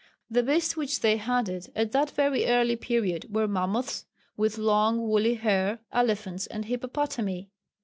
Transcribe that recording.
The beasts which they hunted at that very early period were mammoths with long woolly hair, elephants and hippopotami.